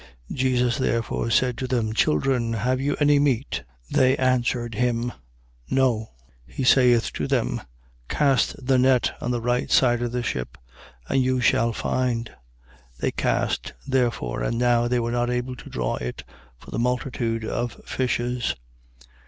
21:5. Jesus therefore said to them: Children, have you any meat? They answered him: No. 21:6. He saith to them: Cast the net on the right side of the ship; and you shall find. They cast therefore: and now they were not able to draw it, for the multitude of fishes.